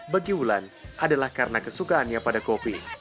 bagi wulan adalah karena kesukaannya pada kopi